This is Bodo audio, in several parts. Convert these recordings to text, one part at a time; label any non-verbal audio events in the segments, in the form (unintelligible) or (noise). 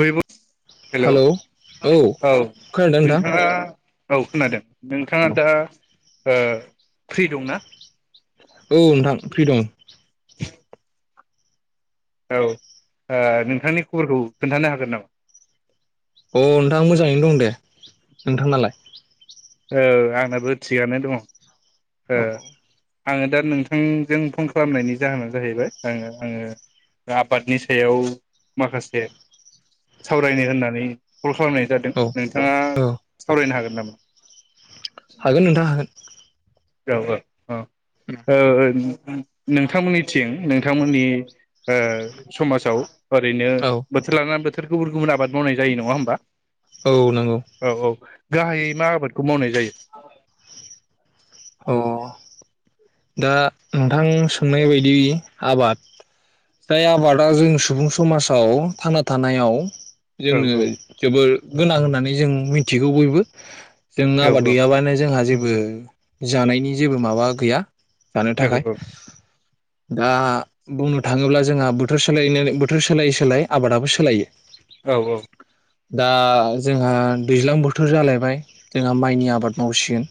हेलौ हेलौ औ खोनादों नोंथां नोंथाङा औ खोनादों ‌। नोंथाङा दा ओ फ्रि दंना औ नोंथां फ्रि दं। (inaudible) औ ओ नोंथांनि खबरखौ खोन्थानो हागोन नामा? अ नोंथां मोजाङैनो दं दे नोंथांनालाय? औ आंनाबो थिगानो दङ'। ओ औ आङो दा नोंथांजों फन खालामनायनि जाहोना जाहैबाय ओ आङो आबादनि सायाव माखासे सावरायनो होननानै कल खालामनाय जादों नोंथाङा औ सावरायनो हागोन नामा हागोन नोंथा हागोन। (unintelligible) (unintelligible) उम नोंथांमोननिथिं नोंथांमोननि ओ समाजाव ओरैनो औ बोथोर लाना बोथोर थोर गुबुन गुबुन आबाद मावनाय जायो नङा होमबा औ नंगौ। औ औ गाहायै मा आबादखौ मावनाय जायो? अ दा नोंथां सोंनाय बायदि आबाद जाय आबादा जों सुबुं समाजाव थांना थानायाव औ जोंनो जोबोर गोनां होननानै जों मिथिगौ बयबो जों औ आबाद गैयाबानो जोंहा जेबो बो जानायनि जेबो माबा गैया जानो थाखाय दा बुंनो थाङोब्ला जोंहा बोथोर सोलायै बोथोर सोलायै सोलायै आबादाबो सोलायो। औ औ दा जोंहा दैज्लां बोथोर जालायबाय जोंहा माइनि आबाद मावसिगोन।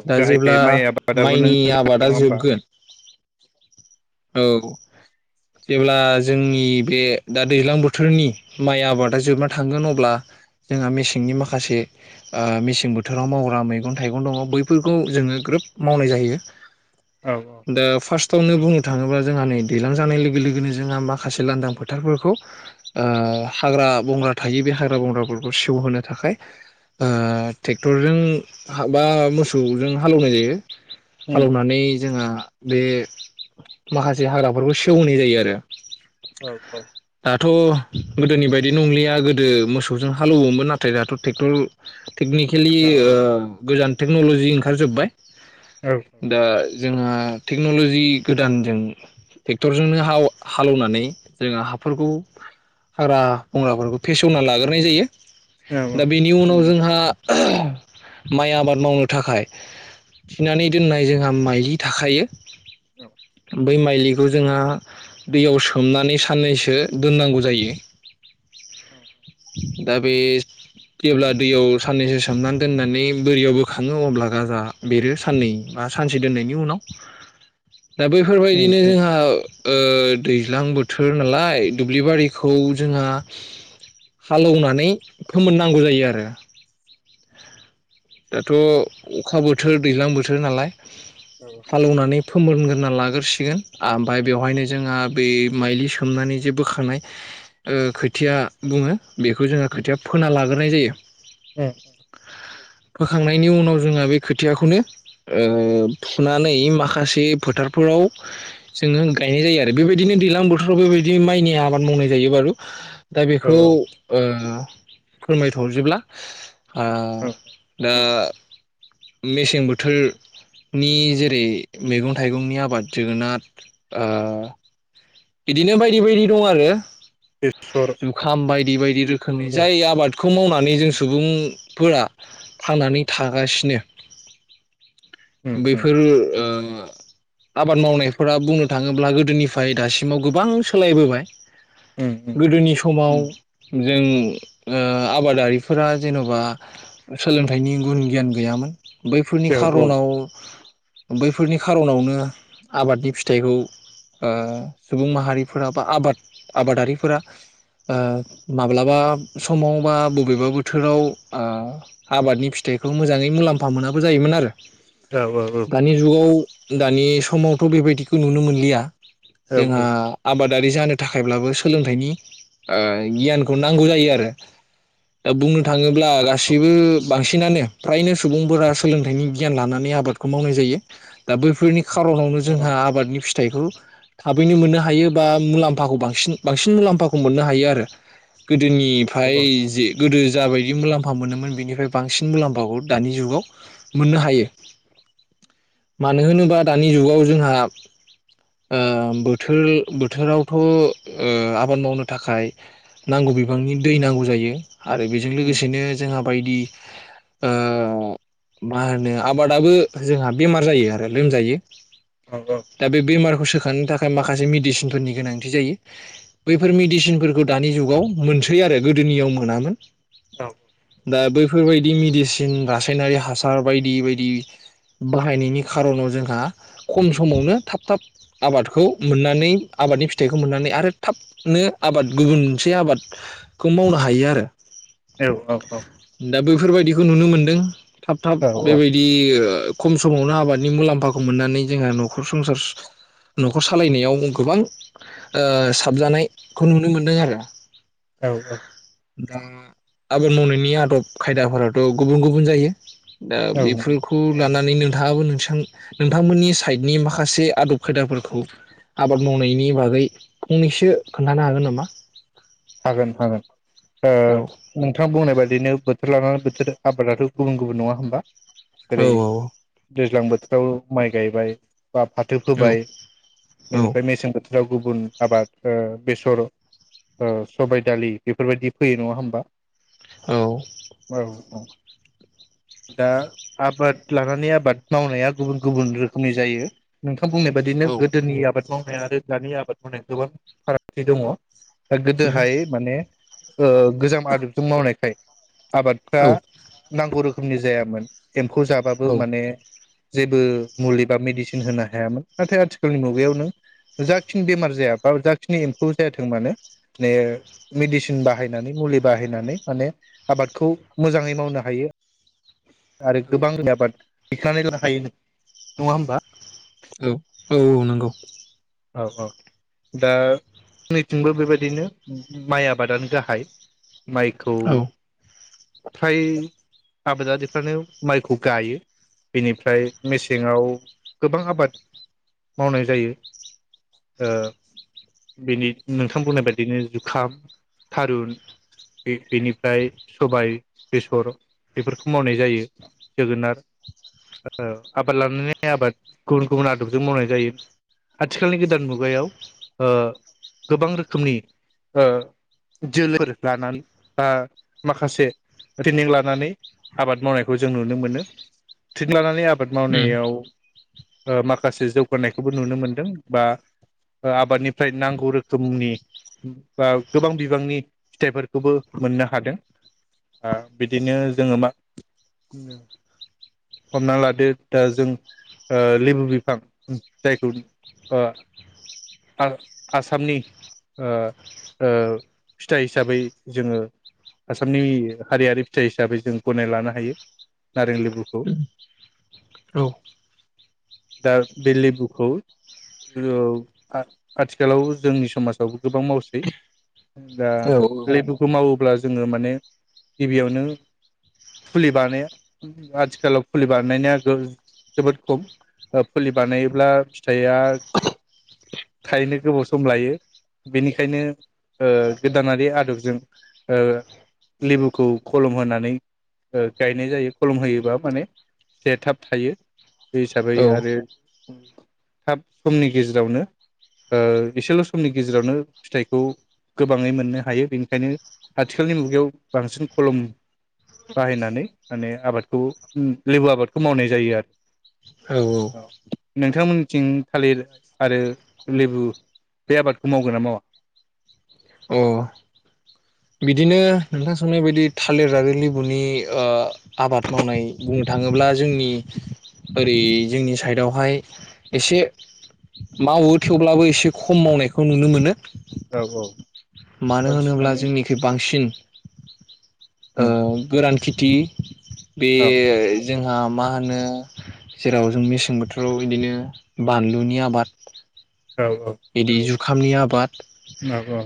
औ दा गाहायै जेब्ला माइ आबादाबो नों माइनि नङा आबादा होमबा जोबगोन। औ जेब्ला जोंनि बे दा दैज्लां बोथोरनि माइ आबादा जोबना थांगोन अब्ला जोंहा मेसेंनि माखासे ओ मेसें बोथोराव माव मैगं थाइगं दङ बैफोरखौ जोङो ग्रोब मावनाय जाहैयो। औ औ दा फार्स्ट टावनो बुंनो थाङोब्ला जोंहा नै दैलां जानाय लोगो लोगोनो जोंहा माखासे लांदां फोथारफोरखौ हाग्रा बंग्रा थायो बे ओ हाग्रा बंग्राफोरखौ सेवहोनो थाखाय ओ टेक्टरजों सौजों हालौवनाय जायो उम उम हालौवनानै जोंहा बे माखासे हाग्राफोरखौ सेवहोनाय जायो आरो औ औ दाथ' गोदोनि बायदि नंलिया गोदो मोसौजों हालौवोमोन नाथाय दाथ' टेक्टर टेकनिकेलि औ ओ गोजान टेक्न'ल'जि ओंखारजोब्बाय औ दा जोंहा टेक्न'लजि गोदानजों टेक्टरजोंनो हालौवनानै जोङो हाफोरखौ हाग्रा बंग्राफोरखौ फेसेवना लाग्रोनाय जायो दा औ बेनि उनाव जोंहा आ माइ आबाद मावनो थाखाय थिनानै दोननाय जोंहा माइलि थाखायो औ बै माइलिखौ जोंहा दैयाव सोमनानै साननैसो दोननांगौ जायो दा बे जेब्ला दैयाव साननैसो सोमनानै दोननानै बोरियाव बोखाङो अब्ला गाजा बेरो साननै बा सानसे दोननायनि उनाव (inaudible) दा उम बैफोरबायदिनो उम जोंहा ओ ओ दैज्लां बोथोर नालाय दुब्लिबारिखौ जोंहा हालेवनानै फोमोननांगौ जायो आरो दाथ' अखा बोथोर दैज्लां बोथोर नालाय औ हाल एवनानैब फोमोरग्रोना लाग्रोसिगोन आ ओमफ्राय बेवहायनो जोंहा बै माइलि सोमनानै जे बोखांनाय ओ खोथिया बुङो। बेखौ जोङो उम खोथिया फोना लागोन। होनाय जायो फोखांनायनि उनाव जोंहा बे खोथियाखौनो ओ फुनानै माखासे फोथारफोराव जोङो गायनाय जायो आरो बेबायदिनो दैलां बोथोराव बेबायदि माइनि आबाद मावनाय जायो बारु दा औ बेखौ औ ओ फोरमायथ'जोबब्ला ओ ओ मेसें बोथोर नि जेरै मैगं थाइगंनि आबाद जोगोनार ओ बिदिनो बायदि बायदि दं आरो बेसर जुखाम बायद बिबायदि रोख खोमनि औ उम जाय आबादखौ मावनानै जों सुबुंफोरा थांनानै थागासिनो उम बेैफोर ओ ओ आबाद मावनायफोरा बुंनो थाङोब्ला गोदोनिफाय दासिम (unintelligible) गोबां सोलायबोबाय। उम गोदोनि समाव जों ओ आबादारिफोरा जेन'बा सोलोंथाइनि गुन गियान गैयामोन। बैफोरनि औ औ खार'नाव बैफोरनि खार'नावनो आबादनि फिथाइखौ ओ सुबुं माहारिफोरा बा आबाद आबादारिफोरा ओ माब्लाबा समाव बा बबेबा बोथोराव ओ आबादनि फिथाइखौ मोजाङै मुलाम्फा मोनाबो जायोमोन आरो दानि जुगाव दानि समावथ' बेबायदिखौ नुनो मोनलिया। जोंहा आबाद दारि जानो थाखायब्लाबो सोलोंथाइनि ओ गियानखौ नांगौ जायो आरो दा बुंनो थाङो ब्ला गासिबो बांसिनानो फ्रायनो सुबुंफोरा सोलोंथाइनि गियान लानानै आबादखौ मावनाय जायो। दा बैफोरनि खार'नावनो औ जोंहा आबादनि फि थाइखौ थाबैनो मोननो हायो बा मुलाम्फाखौ बांसिन बांसिन मुलाम्फाखौ मोननो हायो आरो गो दोनिफाय औ जे गोदो जाबायदि मुलाम्फा मोनोमोन बेनिफ्राय बांसिन मुलाम्फाखौ दानि जुगाव मोननो हायो। मानो होनोबा दानि जुगाव जोंहा ओ बोथोर बोथोरावथ' ओ आबाद मावनो थाखाय नांगौ बिबांनि दै नांगौ जायो। आरो बेजों औ लोगोसेनो जोंहा बायदि ओ मा होनो आबादाबो जोंहा बेमार जायो आरो लोमजायो। दा बे बेमार गोसोखांनि था माखासे मेडिसिनफोरनि गोनांथि जायो। बैफोर मेडिसिनफोरखौ दानि जुगाव मोनसै आरो गोदोनियाव मोनामोन। औ। दा बैफोरबायदि मेडिसिन रासायनारि हासार बायदि बायदि बाहायनायनि खार'नाव जोंहा खम समावनो थाब थाब आबादखौ मोननानै आबादनि फिथाइखौ मोननानै आरो थाबनो आबाद गुबुन मोनसे आबाद खौ मावनो हायो आरो औ दा बैफोरबायदिखौ नुनो मोन्दों। थाब थाब बेबायदि खम समावनो आबादनि मुलाम्फाखौ मोननानै जोंहा न'खर संसार न' खर सालायनायाव गोबां ओ साबजानायखौ नुनो मोनदों आरो औ औ। दा आबाद मावनायनि आदब खायदाफोराथ' गुबुन गुबुन जायो। दा बेफोरखौ लानानैनो नोंथाङाबो नोंसां नोंथांमोननि साइडनि माखासे आदब खायदाफोरखौ। आबाद मावनायनि बागै फंनैसो खोन्थानो हागोन नामा? हागोन हागोन। औ नोंथाङा बुंनाय बायदि ओरैनो बोथोर लानानै बोथोर आादाथ' गुबुन गुबुन नङा होमबा? औ जेरै दैज्लां बोथोर औ माय गाय बाय बा फाथो औ फोबाय औ बेनिफ्राय मेसें गोोथोर। जेराव गुबुन आबाद बेसर सबाय दालि बेफोरबायदि फैयो नङा होमबा? औ औ औ। दा आबाद लानानै आबाद मावनाया गुबुन गुबुन रोखोमनि जायो नोंथ बुंनाय बायदिनो औ गोदोनि आबाद। मावनाय आरो दानि आबाद मावनाय गोबां फारागथि दङ। ओ-गोदोहाय माने। ओ-गोजाम आदबजों मावनायखाय। आबादफ्रा नांगौ रोख जायामोन। एम्फौ जाबाबो औ माने। जेबो मुलि बा मेडिसिन होनो हायामोन नाथाय आथिखालनि मुगायाव नों जाखिनि बेमार जाया बा जाखिनि एम्फौ जायाथों मानो ने मेडिसिन बाहायनानै मुलि बाहायनानै माने आबादखौ मोजाङै मावनो हायो। आरो औ गोबां आबाद। (unintelligible) हायो नङा होमबा? औ औ औ नंगौ। औ औ दा नैथिंबो बेबायदिनो माइ आबादानो गाहाय। माइखौ। औ फ्राय। आबादारिफ्रानो माइखौ गायो बेनिफ्राय मेसेंआव गोबां आबाद मावनाय जायो ओ-बेनि नोंथां बुंनाय बायदिनो जुखाम थारुन बे- बेनिफ्राय सबाय बेसर। बेफोरखौ मावनाय जायो जोगोनार ओ-आबाद लानानै आबाद गुबुन गुबुन आदबजों मावनाय जायो आथिखालनि गोदान मुगायाव गोबां रोखोमनि ओ-जोल लानानै बा माखासे रटेनिं लानानै। आबाद मावनायखौ जों नुनो मोनो थिग लानानै आब बाद औ मावनायाव। ओ-माखासे जौगानायखौबो नुनो मोनदों बा ओ- आबादनिफ्राय नांगौ रोखोमनि बा गोबां बिबांनि फिथाइफोरखौबो मोननो हादों बिदिनो। जोङो मा हमना लादो दा जों ओ-लेबु बिफां जायखौ ओ-आ- आसामनि आ-ओ-फिथाइ हिसाबै जोङो आसामनि हारियारि फिथाइ हिसाबै। जों गनाय लानो हायो नारें लेबुखौ दा बे लेबुखौ ओव- आथिखालाव जोंनि समाजावबो गोबां मावसै। दा लेबु। फोर मावोब्ला जोङो माने गिबियावनो। फुलि बानाया आथिखालाव फुलि बानायनाया जोबोद खम ओ-फुलि बानायोब्ला फिथाइया थायनो गोबाव सम लायो बेनिखायनो ओ- गोदानारि आदबजों ओ-लेबुखौ खलम होनानै। ओ-गायनाय जायो खलम होयोबा माने फिथाइया थाब थायो बे हिसाबै औ आरो थाब समनि गेजेरावनो ओ-एसेल' समनि गेजेरावनो फिथाइखौ गोबाङै मोननो हायो बेनिखायनो आथिखालनि मुगायाव बांसिन खलम। बाहायनानै माने आबादखौ लेबु आबादखौ मावनाय जायो आरो औ नोंथांमोननिथिं थालिर आरो लेबु बे आबादखौ मावगोन ना मावा? औ बिदिनो नोंथां सोनाय बायदि थालिर आरो लेबुनि ओ-आबाद मावनाय बुंनो थाङोब्ला जोंनि ओरै जोंनि साइडआवहाय एसे मावो थेवब्लाबो एसे खम मावनायखौ नुनो मोनो। औ मानो औबांसिन होनोब्ला माने। जोंनिखै बांसिन ओ- गोरान। खेथि। बे औ जों। आ-मा होनो जेराव जों मेसें बोथोराव बिदिनो बानलुनि आबाद। औ औ। खामनि आबाद। औ औ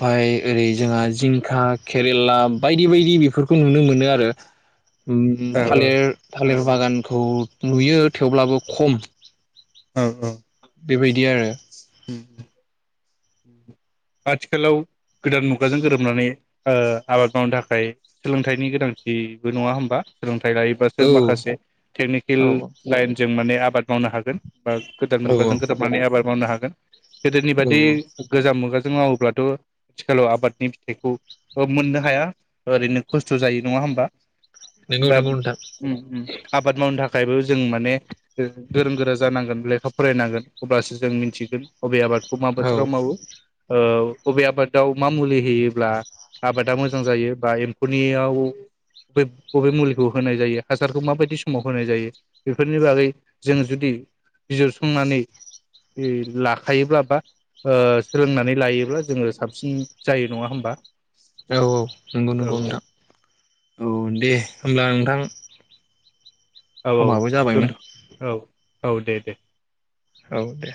ओमफाय ओरै जोंहा जिंखा केरेला बायदि बायदि बेफोरखौ नुनो मोनो आरो। औ थालिर थालिर बागानखौ। नुयो थेवब्लाबो खम। औ औ बेबायदि आरो (unintelligible) आथिखालाव गोदान मुगाजों गोरोबनानै ओ आबाद मावनो थाखाय सोलोंथाइनि गोनांथिबो नङा होमबा सोलोंथा औ लायोबासो माखासे टेकनिकेल औ लाइनजों माने आब आबाद मावनो हागोन बा गोदान औ मुगाजों गोरोबनानै आबाद मावनो हागोन गोदोनि बादि औ मुगाजों मावोब्लाथ' थिखालाव आबादनि फिथाइखौ मोननो हाया ओरैनो खस्थ' जायो नङा होमबा नंगौ दाब नंगौ नोंथां ओम ओम आबाद मावनो थाख थाखायबो जों माने गोरों गोरा जानांगोन लेखा फरायनांगोन अब्लासो जों मिथिगोन बबे आबाद औ ओ अबे आबादाव मा मुलि होयोब्ला आबादा मोजां जायो बा एम्फौनियाव बबे मुलिखौ होनाय जायो हासारखौ माबायदि समाव होनाय जायो बेफोरनि बागै जों जुदि बिजिरसंनानै लाखायोब्ला बा ओ सोलोंनानै लायोब्ला जोङो साबसिन जायो नङा होमबा औ औ नोंगौ औ नोंगौ नोंथां औ दे होमब्ला नोंथां (unintelligible) औ औ समाबो जाबायमोन दोनथ' औ औ दे दे औ दे